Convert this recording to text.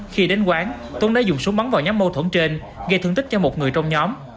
khi đến quán tuấn đã dùng súng bắn vào nhóm mâu thuẫn trên gây thương tích cho một người trong nhóm